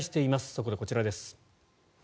そこでこちらです。